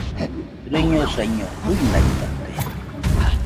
Rɨñosaiño, ruinaitate.